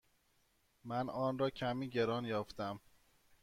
من آن را کمی گران یافتم.